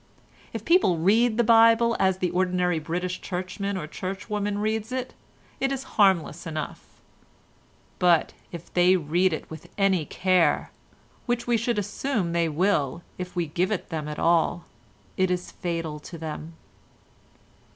If people read the Bible as the ordinary British churchman or churchwoman reads it, it is harmless enough; but if they read it with any care—which we should assume they will if we give it them at all—it is fatal to them."